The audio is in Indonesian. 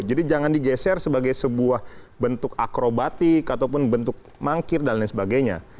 jadi jangan di geser sebagai sebuah bentuk akrobatik ataupun bentuk mangkir dan lain sebagainya